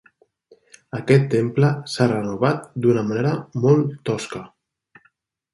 Aquest temple s'ha renovat d'una manera molt tosca.